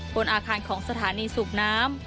บนอาคารของสถานีสูบน้ำ